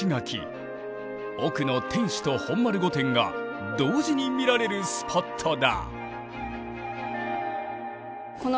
奥の天守と本丸御殿が同時に見られるスポットだ。